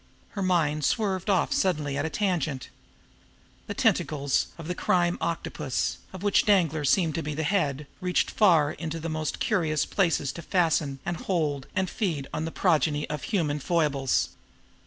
Her mind swerved off suddenly at a tangent. The tentacles of this crime octopus, of which Danglar seemed to be the head, reached far and into most curious places to fasten and hold and feed on the progeny of human foibles!